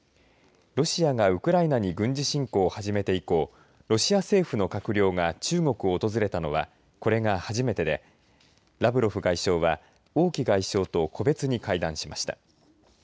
ロシアがウクライナに軍事侵攻を始めて以降ロシア政府の閣僚が中国を訪れたのはこれが初めてでラブロフ外相は王毅外相と個別に会談しました。